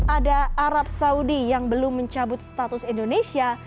ada arab saudi yang belum mencabut status indonesia